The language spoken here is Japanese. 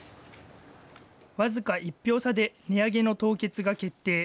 僅か１票差で値上げの凍結が決定。